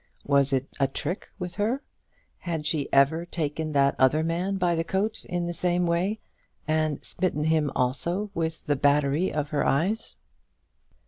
Was it a trick with her? Had she ever taken that other man by the coat in the same way, and smitten him also with the battery of her eyes?